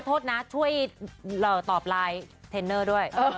โทษนะช่วยตอบไลน์เทนเนอร์ด้วย